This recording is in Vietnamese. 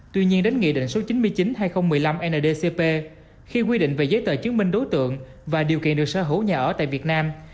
tuy nhiên đến nghị định số chín mươi chín hai nghìn một mươi năm ndcp khi quy định về giấy tờ chứng minh đối tượng và điều kiện được sở hữu nhà ở tại việt nam